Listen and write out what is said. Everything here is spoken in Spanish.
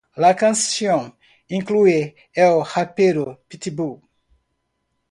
La canción incluye el rapero Pitbull.